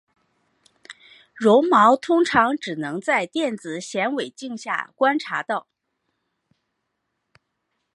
线毛通常只能在电子显微镜下观察到。